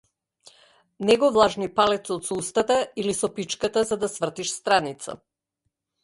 Не го влажни палецот со устата или со пичката за да свртиш страница.